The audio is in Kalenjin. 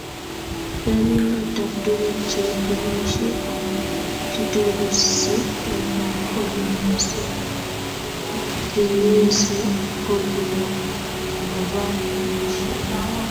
Rerunetab tuguk che kiboisie ak kitokusiekab Ole kinyoise ko kikobar boisiet